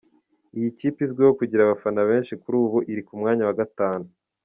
Iyi kipe izwiho kugira abafana benshi kuri ubu iri ku mwanya wa gatanu.